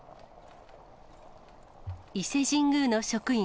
伊勢神宮の職員